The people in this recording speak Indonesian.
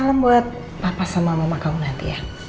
salam buat papa sama mama kamu nanti ya